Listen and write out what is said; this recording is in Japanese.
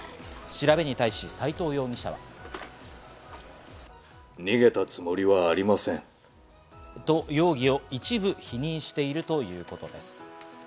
調べに対し、容疑を一部否認しているということです。